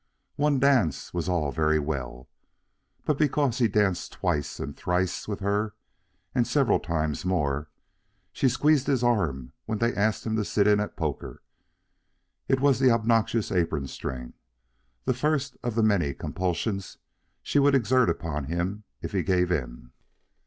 One dance was all very well, but because he danced twice and thrice with her and several times more, she squeezed his arm when they asked him to sit in at poker. It was the obnoxious apron string, the first of the many compulsions she would exert upon him if he gave in.